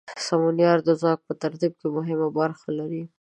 سمونیار د ځواک په ترتیب کې مهمه برخه لري.